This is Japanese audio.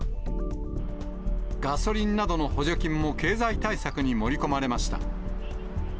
ガソリンなどの補助金も経済対策に盛り込まれました。